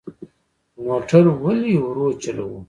موټر ولې ورو چلوو؟